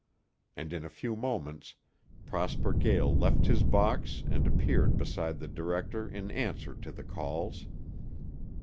and in a few moments Prosper Gael left his box and appeared beside the director in answer to the calls.